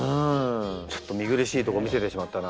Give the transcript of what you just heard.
ちょっと見苦しいとこ見せてしまったな。